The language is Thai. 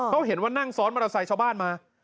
เขาเห็นว่านั่งซ้อนมอเตอร์ไซค์ชาวบ้านมา